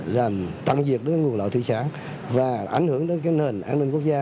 làm tăng diệt nguồn lợi thủy sản và ảnh hưởng đến nền an ninh quốc gia